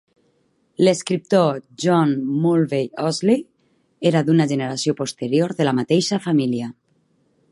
L'escriptor John Mulvey Ousley era d'una generació posterior de la mateixa família.